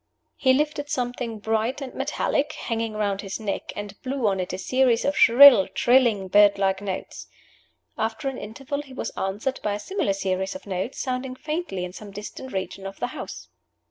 He lifted something bright and metallic, hanging round his neck, and blew on it a series of shrill, trilling, bird like notes. After an interval he was answered by a similar series of notes sounding faintly in some distant region of the house.